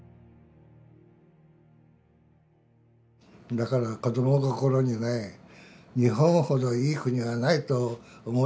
だから子ども心にね日本ほどいい国はないと思ってたんだよ。